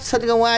sân công ai